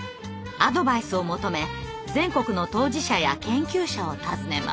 アドバイスを求め全国の当事者や研究者を訪ねます。